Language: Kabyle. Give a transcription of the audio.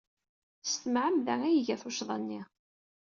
S tmeɛmada ay iga tuccḍa-nni.